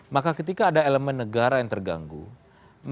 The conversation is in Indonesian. maka ketika ada elemen negara yang terganggu